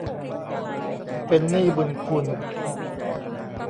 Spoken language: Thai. เป็นหนี้บุญคุณ